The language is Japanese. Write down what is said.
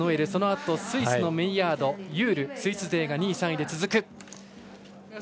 そのあと、スイスのメイヤードユールスイス勢が２位３位で続く。